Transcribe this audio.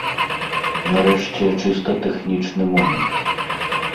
Нарэшце, чыста тэхнічны момант.